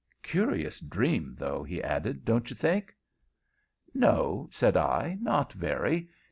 Curious dream, though," he added, "don't you think?" "No," said I, "not very.